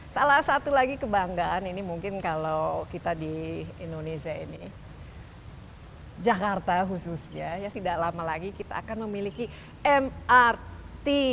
salah satu lagi kebanggaan ini mungkin kalau kita di indonesia ini jakarta khususnya tidak lama lagi kita akan memiliki mrt